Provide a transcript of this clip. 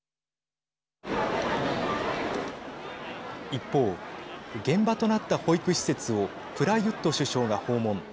一方、現場となった保育施設をプラユット首相が訪問。